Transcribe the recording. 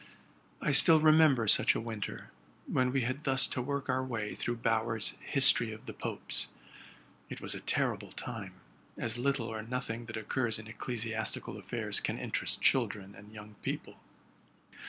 I still remember such a winter, when we had thus to work our way through Bower's '* History of the Popes.'' It was a terrible time, as. little or nothing that occurs in ecclesiastical. affairs can interest children and young people.